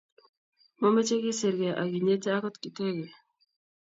Mameche kisiri gei ak inyete agot kitege